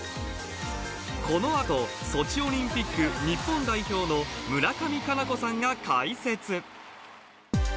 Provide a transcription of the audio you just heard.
このあと、ソチオリンピック日本代表の村上佳菜子さんが解説。